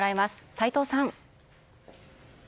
齊藤さん。